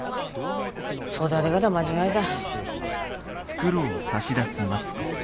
育で方間違えた。